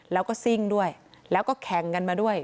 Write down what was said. แล้วก็ซิ่งด้วยแล้วก็แข่งกันมาด้วย